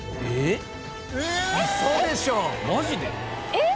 えっ！？